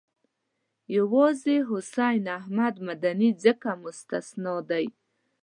یوازې حسین احمد مدني ځکه مستثنی دی.